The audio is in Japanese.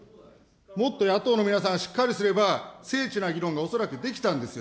もっと野党の皆さん、しっかりすれば、精緻な議論が恐らくできたんですよ。